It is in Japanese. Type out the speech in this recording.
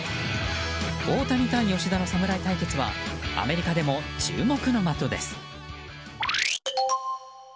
大谷対吉田の侍対決はアメリカでも注目の的です。